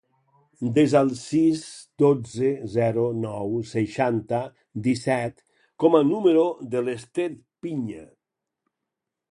Desa el sis, dotze, zero, nou, seixanta, disset com a telèfon de l'Esther Piña.